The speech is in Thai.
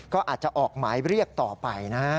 ก็อาจจะออกหมายเรียกต่อไปนะฮะ